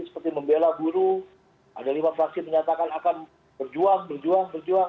seperti membela guru ada lima fraksi menyatakan akan berjuang berjuang berjuang